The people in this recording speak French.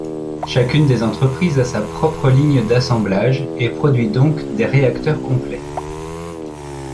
Chacune des entreprises a sa propre ligne d'assemblage et produit donc des réacteurs complets.